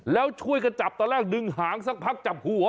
แล้วช่วยกันจับตอนแรกดึงหางสักพักจับหัว